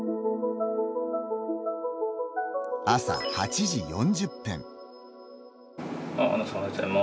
朝８時４０分。